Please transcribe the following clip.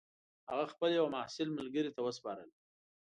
هغه خپل یوه محصل ملګري ته وسپارل.